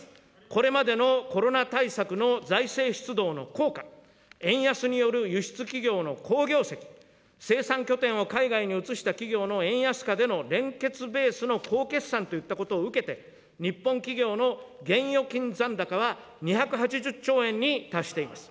これまでのコロナ対策の財政出動の効果、円安による輸出企業の好業績、生産拠点を海外に移した企業の円安下での連結ベースの好決算といったことを受けて、日本企業の現預金残高は２８０兆円に達しています。